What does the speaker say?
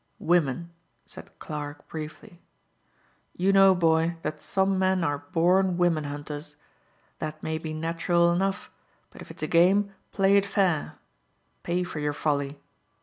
"Women," said Clarke briefly. "You know, boy, that some men are born women hunters. That may be natural enough; but if it's a game, play it fair. Pay for your folly.